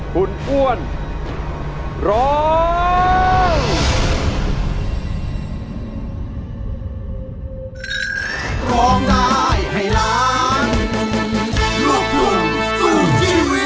คุณอ้วนร้อง